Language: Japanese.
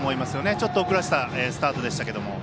ちょっと遅らせたスタートでしたけども。